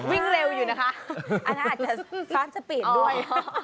วิ่งเร็วอยู่นะคะอันนั้นอาจจะร้านสปีดด้วย